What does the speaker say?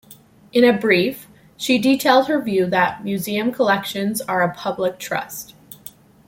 In a brief, she detailed her view that museum collections are "a public trust".